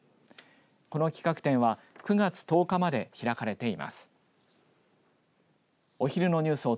この企画展は９月１０日まで開かれています。